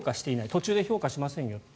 途中で評価しませんよ。